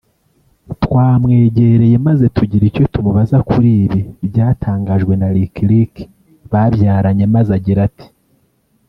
twamwegereye maze tugira icyo tumubaza kuri ibi byatangajwe na Lick Lick babyaranye maze agira ati